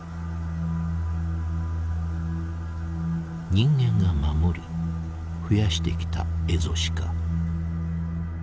人間が守り増やしてきたエゾシカ。